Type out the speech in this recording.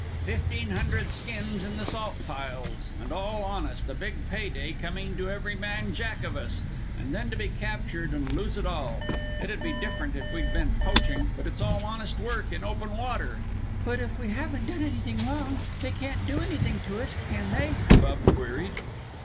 "Fifteen hundred skins in the salt piles, and all honest, a big pay day coming to every man Jack of us, and then to be captured and lose it all! It'd be different if we'd been poaching, but it's all honest work in open water." "But if we haven't done anything wrong, they can't do anything to us, can they?" Bub queried.